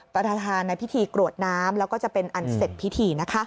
ประธานในพิธีกรวดน้ำแล้วก็จะเป็นอันเสร็จพิธีนะคะ